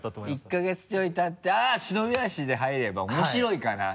１か月ちょいたって「あっ忍び足で入れば面白いかな」